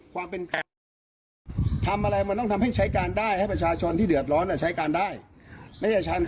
แกะออกเป็นท่ามแผนหรือท่ามเป็นที่ผลักเปิง